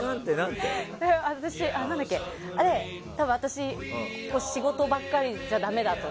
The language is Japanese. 多分、私仕事ばっかりじゃだめだと。